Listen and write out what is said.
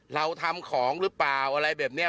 เราทำของหรือเปล่าอะไรแบบนี้